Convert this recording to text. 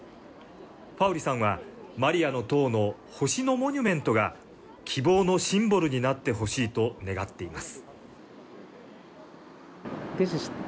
ファウリさんはマリアの塔の星のモニュメントが希望のシンボルになってほしいと願っています。